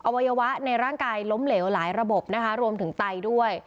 วัยวะในร่างกายล้มเหลวหลายระบบนะคะรวมถึงไตด้วย